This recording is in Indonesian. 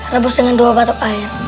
rebus dengan dua batuk air